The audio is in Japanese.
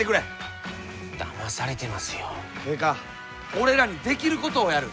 俺らにできることをやる。